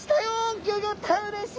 ギョギョッとうれしい！